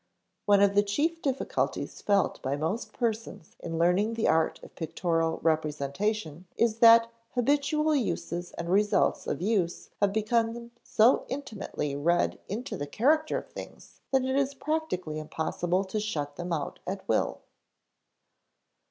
One of the chief difficulties felt by most persons in learning the art of pictorial representation is that habitual uses and results of use have become so intimately read into the character of things that it is practically impossible to shut them out at will.